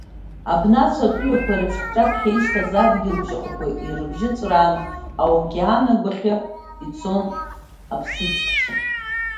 Абнацә атәыҩақәа реиԥш ҳҿаԥхьа ишьҭаз адгьыл-бжьахақәа ирыбжьҵәрааны, аокеан агәахьы ицон аԥсыӡкцәа.